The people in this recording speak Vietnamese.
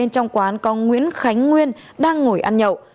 trong quán có nguyễn khánh nguyên đang ngồi ăn nhậu